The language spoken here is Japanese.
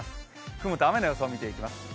雲と雨の予想を見ていきます。